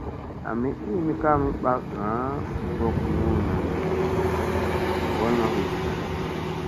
Ami iimi kaami bakŋga vok mulmi ŋgolla hu zinna.